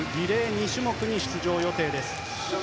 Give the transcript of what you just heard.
２種目に出場予定です。